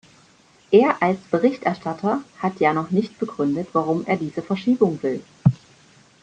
Er als Berichterstatter hat ja noch nicht begründet, warum er diese Verschiebung will.